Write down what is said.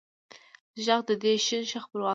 ږغ د ې شین شه خپلواکۍ